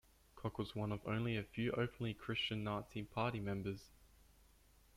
Koch was one of only a few openly Christian Nazi party members.